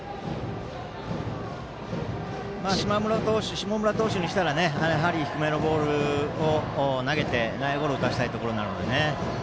下村投手にしたら低めのボールを投げて内野ゴロを打たせたいところです。